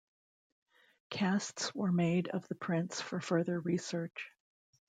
Casts were made of the prints for further research.